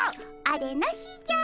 あれなしじゃ。